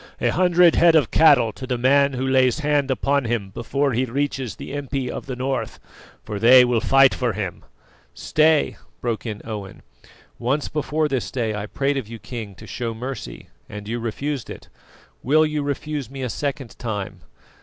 "A hundred head of cattle to the man who lays hand upon him before he reaches the impi of the North, for they will fight for him!" "Stay!" broke in Owen. "Once before this day I prayed of you, King, to show mercy, and you refused it. Will you refuse me a second time?